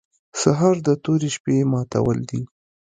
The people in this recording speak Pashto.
سهار د تورې شپې ماتول دي.